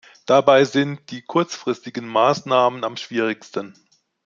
Dabei sind die kurzfristigen Maßnahmen am schwierigsten.